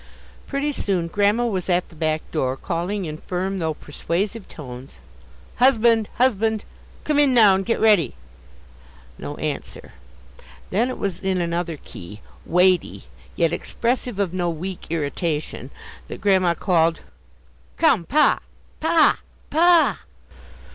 Pretty soon Grandma was at the back door calling in firm though persuasive tones: "Husband! husband! come in, now, and get ready." No answer. Then it was in another key, weighty, yet expressive of no weak irritation, that Grandma called "Come, pa! pa a! pa a a!"